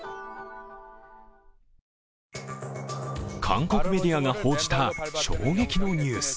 韓国メディアが報じた衝撃のニュース。